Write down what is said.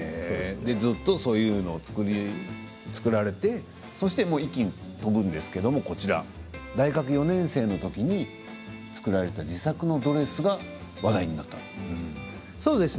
ずっとそういうものを作り続けられて、一気に飛ぶんですけれども大学４年生のときに作られた自作のドレスが話題になった。